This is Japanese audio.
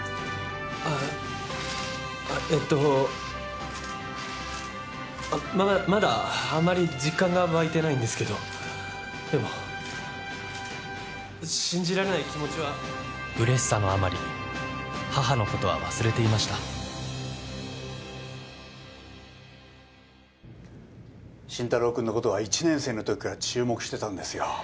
あぁえっとままだあまり実感が湧いてないんですけどでも信じられない気持ちはうれしさのあまり母のことは忘れていました慎太郎くんのことは１年生の時から注目してたんですよ